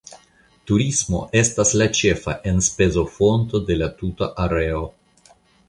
Turismo estas la ĉefa enspezofonto de la tuta areo.